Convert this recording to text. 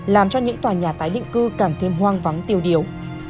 làm cho những tòa nhà tái định cư càng thêm hoang vắng tiêu điều